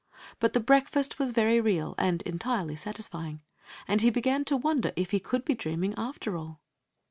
But the breakfast was very real and entirely satisfying, and he began to wonder if he could be dreaming, after all.